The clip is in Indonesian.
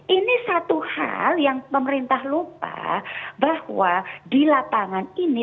ini satu hal yang pemerintah lupa bahwa di lapangan ini